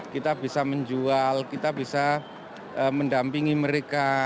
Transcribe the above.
kita bisa menjual kita bisa mendampingi mereka